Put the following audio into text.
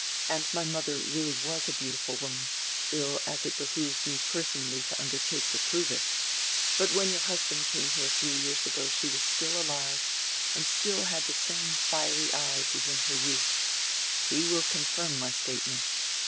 And my mother really was a beautiful woman, ill as it behooves me personally to undertake to prove it But when your husband came here diree years ago she was still alive and still had die same fiery eyes as in her youth. He will con firm my statement.